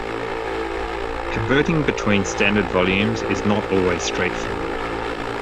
Converting between standard volumes is not always straightforward.